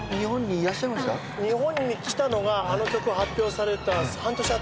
日本に来たのがあの曲発表された半年後。